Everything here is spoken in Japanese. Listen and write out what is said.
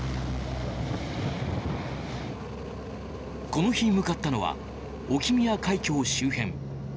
この日、向かったのは沖宮海峡周辺。